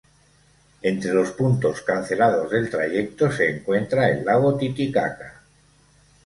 Entre los puntos cancelados del trayecto se encuentra el Lago Titicaca.